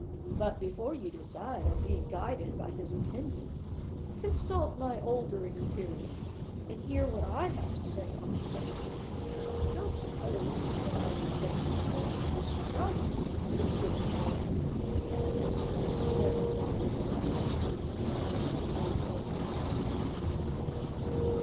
But, before you decide on being guided by his opinion, consult my older experience, and hear what I have to say on the subject. Don't suppose that I am attempting to make you distrust this good friend," he added, noticing the look of uneasy surprise which Isabel fixed on him.